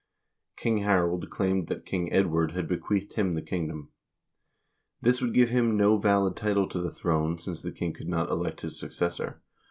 Earl Harold claimed that King Edward had bequeathed him the kingdom. This would give him no valid title to the throne, since the king could not elect his successor.